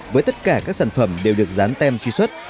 với tất cả các sản phẩm đều được dán tem truy xuất